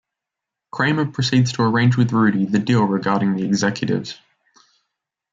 Kramer proceeds to arrange with Rudy the deal regarding the Executives.